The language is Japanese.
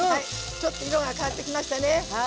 ちょっと色が変わってきましたね。